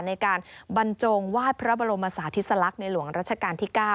ในการบรรจงวาดพระบรมศาสติสลักษณ์ในหลวงรัชกาลที่๙